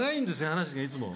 話がいつも。